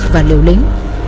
và lưu lĩnh